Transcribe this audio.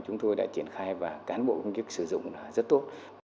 chúng tôi đã triển khai và cán bộ công chức sử dụng là rất tốt